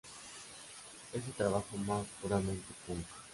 Es su trabajo más puramente punk.